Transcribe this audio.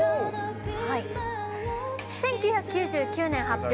１９９９年発表